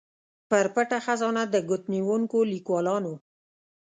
پر پټه خزانه د ګوتنیونکو ليکوالانو